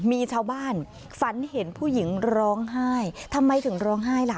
มีชาวบ้านฝันเห็นผู้หญิงร้องไห้ทำไมถึงร้องไห้ล่ะ